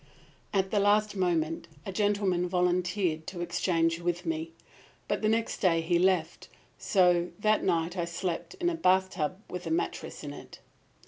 "At the last moment a gentleman volunteered to exchange with me. But the next day he left, so that night I slept in a bathtub with a mattress in it!